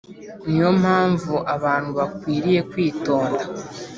Ni yo mpamvu abantu bakwiriye kwitonda